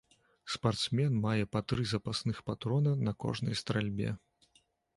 Спартсмен мае па тры запасных патрона на кожнай стральбе.